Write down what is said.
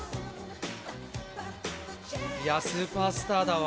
いやスーパースターだわ。